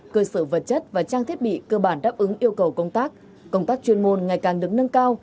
cơ sở vật chất và trang thiết bị cơ bản đáp ứng yêu cầu công tác công tác chuyên môn ngày càng được nâng cao